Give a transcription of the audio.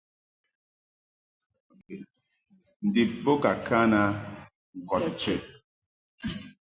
Ndib bo ka kan a ŋkɔd chəd.